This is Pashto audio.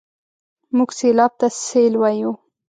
موږ سېلاب ته سېل وايو.